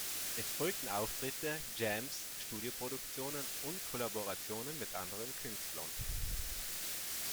Es folgten Auftritte, Jams, Studioproduktionen und Kollaborationen mit anderen Künstlern.